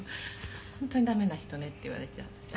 「“本当に駄目な人ね”って言われちゃうんですよ」